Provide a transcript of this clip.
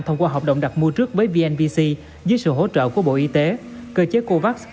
thông qua hợp động đặc mưu trước với vnbc dưới sự hỗ trợ của bộ y tế cơ chế covax